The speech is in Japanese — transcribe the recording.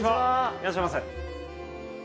いらっしゃませ。